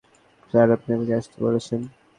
Sir, আপনি আমাকে আসতে বলেছেন।